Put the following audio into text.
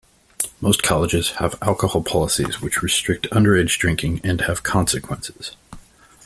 Most colleges have alcohol policies which restrict underage drinking and have consequences.